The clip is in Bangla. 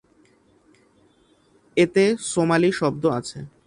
এতে সোমালি শব্দ আছে।